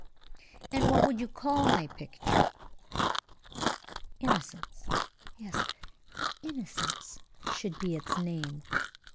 "And what would you call my picture?" "'INNOCENCE.' Yes, 'INNOCENCE' should be its name!"